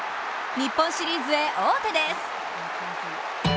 日本シリーズへ王手です。